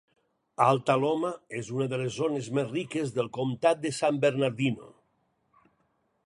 Alta Loma és una de les zones més riques del comtat de San Bernardino.